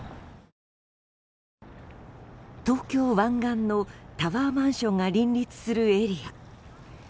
東京湾岸のタワーマンションが林立するエリア。